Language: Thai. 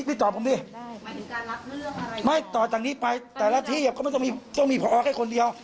แล้วไม่สามารถที่จะตัดสินแล้ว